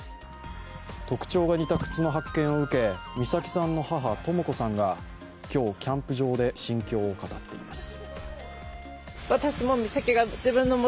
特徴が似た靴の発見を受け美咲さんの母・とも子さんが今日、キャンプ場で心境を語っています。